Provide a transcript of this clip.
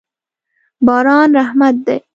باران رحمت دی.